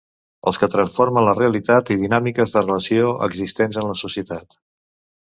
Els que transformen la realitat i dinàmiques de relació existents en la societat.